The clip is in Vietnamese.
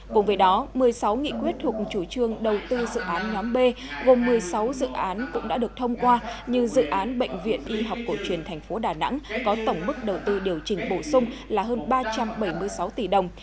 cùng với đó một mươi sáu nghị quyết thuộc chủ trương đầu tư dự án nhóm b gồm một mươi sáu dự án cũng đã được thông qua như dự án bệnh viện y học cổ truyền tp đà nẵng có tổng mức đầu tư điều chỉnh bổ sung là hơn ba trăm bảy mươi sáu tỷ đồng